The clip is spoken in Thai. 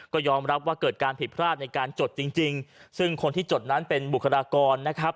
ก็ยอมรับว่าเกิดการผิดพลาดในการจดจริงจริงซึ่งคนที่จดนั้นเป็นบุคลากรนะครับ